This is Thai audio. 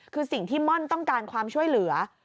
คือสิ่งที่ม่อนต้องการความช่วยเหลือ